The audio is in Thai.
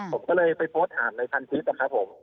ผมก็เลยไปโพสต์ถามในพันทิพย์นะครับผม